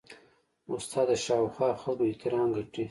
استاد د شاوخوا خلکو احترام ګټي.